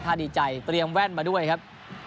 ถ้าดีใจเตรียมแว่นมาด้วยครับ